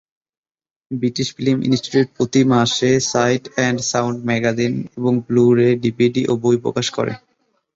British Film Institute প্রতি মাসে "Sight and Sound" magazine এবং ব্লু-রে, ডিভিডি ও বই প্রকাশ করে।